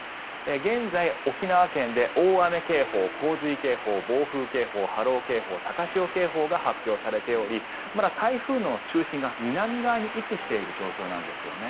現在、沖縄県で大雨警報、洪水警報、暴風警報波浪警報、高潮警報が発表されておりまだ台風の中心が、南側に位置している状況なんですね。